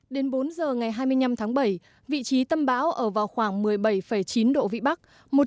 đến bốn giờ ngày hai mươi năm tháng bảy vị trí tâm bão ở vào khoảng một mươi bảy chín độ vĩ bắc